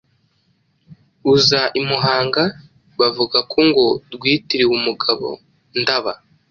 uza i Muhanga, bavuga ko ngo rwitiriwe umugabo Ndaba